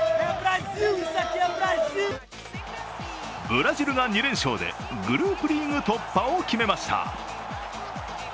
ブラジルが２連勝でグループリーグ突破を決めました。